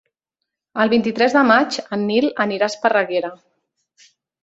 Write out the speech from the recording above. El vint-i-tres de maig en Nil anirà a Esparreguera.